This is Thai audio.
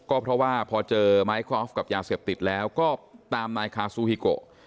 ก็เพราะว่าพอเจอไม้คอฟกับยาเสพติดแล้วก็ตามนายคาซูฮิโก